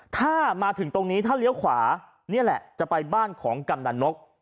ถ้ามาถึงตรงนี้ถ้าเลี้ยวขวานี่แหละจะไปบ้านของกำนันนก